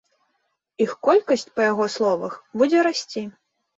Іх колькасць, па яго словах, будзе расці.